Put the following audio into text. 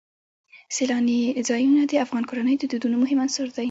سیلانی ځایونه د افغان کورنیو د دودونو مهم عنصر دی.